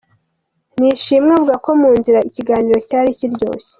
Nishimwe avuga ko mu nzira, ikiganiro cyari kiryoshye.